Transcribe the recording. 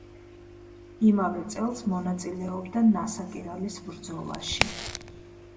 იმავე წელს მონაწილეობდა ნასაკირალის ბრძოლაში.